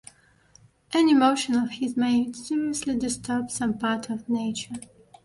Any motion of his may seriously disturb some part of nature.